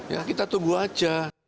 ya kita tunggu aja